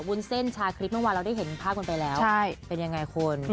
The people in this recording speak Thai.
วุ้นเส้นชาคริสเมื่อวานเราได้เห็นภาพกันไปแล้วเป็นยังไงคุณ